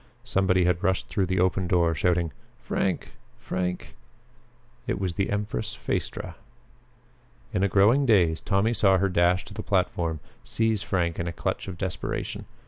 Somebody had rushed through the open door shouting, "Frank! Frank!" It was the empress Phaestra. In a growing daze Tommy saw her dash to the platform, seize Frank in a clutch of desperation.